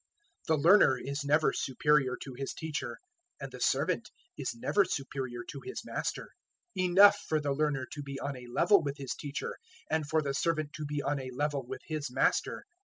010:024 "The learner is never superior to his teacher, and the servant is never superior to his master. 010:025 Enough for the learner to be on a level with his teacher, and for the servant to be on a level with his master.